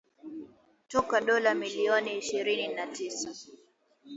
Kutoka dola milioni ishirini na tisa